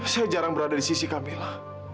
saya jarang berada di sisi kamil